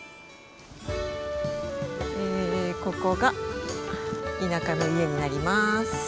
ここが田舎の家になります。